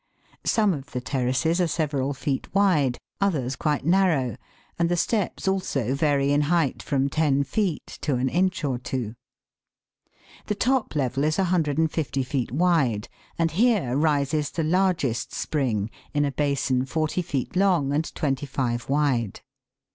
Some of the terraces are several feet wide, others quite narrow, and the steps also vary in height from ten feet to an inch or two. The top level is 150 feet wide, and here rises the largest spring in a basin forty feet long and twenty five wide.